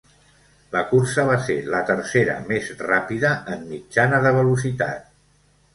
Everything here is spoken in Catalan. La cursa va ser la tercera mes ràpida en mitjana de velocitat.